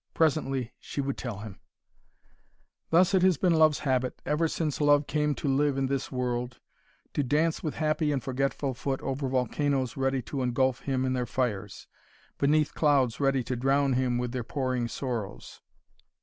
Presently she would tell him. Thus has it been Love's habit, ever since Love came to live in this world, to dance with happy and forgetful foot over volcanoes ready to engulf him in their fires, beneath clouds ready to drown him with their pouring sorrows.